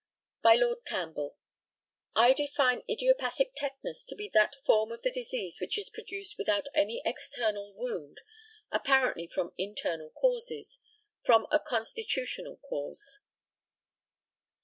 By Lord CAMPBELL: I define idiopathic tetanus to be that form of the disease which is produced without any external wound, apparently from internal causes from a constitutional cause.